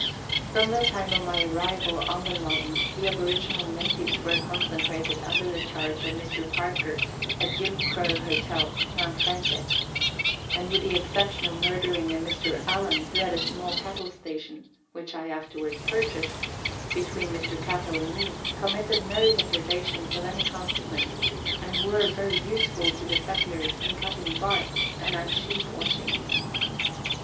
From the time of my arrival on the Loddon the aboriginal natives were concentrated under the charge of Mr. Parker at Jim Crow Hill (Mount Franklin), and with the exception of murdering a Mr. Allan, who had a small cattle station (which I afterwards purchased) between Mr. Catto and me, committed no depredations of any consequence, and were very useful to the settlers in cutting bark and at sheep washing.